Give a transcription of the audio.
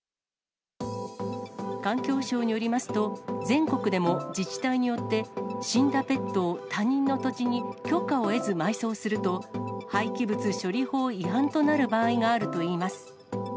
環境省によりますと、全国でも自治体によって死んだペットを他人の土地に許可を得ず埋葬すると、廃棄物処理法違反となる場合があるといいます。